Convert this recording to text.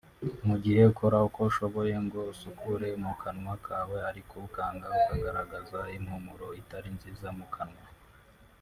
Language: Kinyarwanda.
mu gihe ukora uko ushoboye ngo usukure mu kanwa kawe ariko ukanga ukagaragaza impumuro itari nziza mu kanwa